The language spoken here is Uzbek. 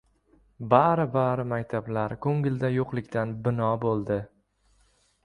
Bari-bari maktablar ko‘ngilda yo‘qlikdan bino bo‘ldi!